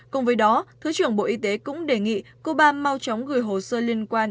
cùng với đó thứ trưởng bộ y tế cũng đề nghị cuba mau chóng gửi hồ sơ liên quan